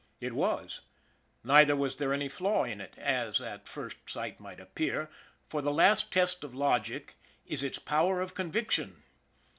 It was. Neither was there any flaw in it as at first sight might appear, for the last test of logic is its power of conviction.